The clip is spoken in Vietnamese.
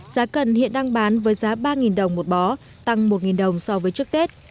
giá cần hiện đang bán với giá ba đồng một bó tăng một đồng so với trước tết